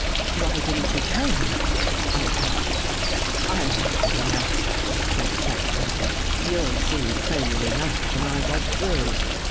''Why didn't you tell him?" I asked. " I'm not ready yet," said Jeffrey. " You'll see plainly enough when I get through."